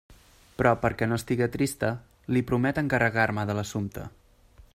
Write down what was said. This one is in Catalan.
Però perquè no estiga trista, li promet encarregar-me de l'assumpte.